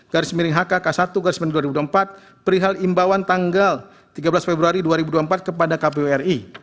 garis miring hkk satu garis miring dua ribu dua puluh empat perihal imbauan tanggal tiga belas februari dua ribu dua puluh empat kepada kpu ri